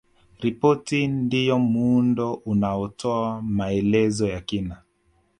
Ripoti ndiyo muundo unaotoa maelezo ya kina